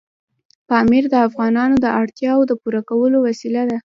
پامیر د افغانانو د اړتیاوو د پوره کولو وسیله ده.